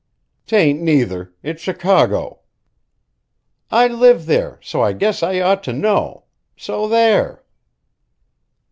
"'Tain't neither. It's Chicago." "I live there so I guess I ought to know. So there!"